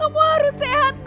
kamu harus sehat nak